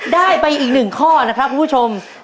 ได้ไปอีกหนึ่งข้อนะครับคุณผู้ชม